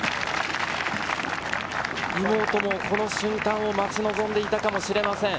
妹もこの瞬間を待ち望んでいたかもしれません。